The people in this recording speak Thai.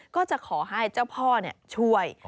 ก็จะขอให้เจ้าพ่อช่วย